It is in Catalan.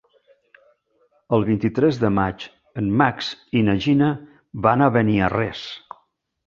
El vint-i-tres de maig en Max i na Gina van a Beniarrés.